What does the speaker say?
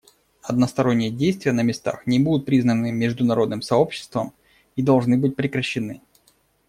Односторонние действия на местах не будут признаны международным сообществом и должны быть прекращены.